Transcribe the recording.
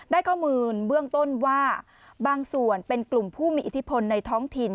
ได้ข้อมูลเบื้องต้นว่าบางส่วนเป็นกลุ่มผู้มีอิทธิพลในท้องถิ่น